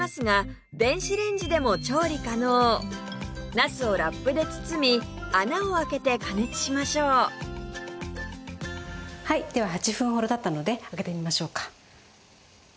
なすをラップで包み穴をあけて加熱しましょうでは８分ほど経ったので開けてみましょうか。